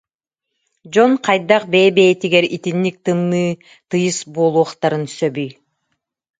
Дьон хайдах бэйэ-бэйэтигэр итинник тымныы тыйыс буолуохтарын сөбүй